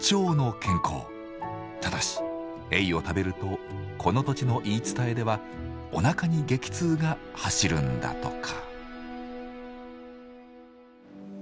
ただしエイを食べるとこの土地の言い伝えではおなかに激痛が走るんだとか。